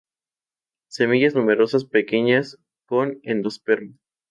Semillas numerosas, pequeñas; con endosperma.